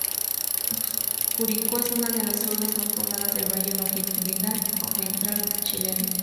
Curicó es una de las urbes más pobladas del valle longitudinal o ventral chileno.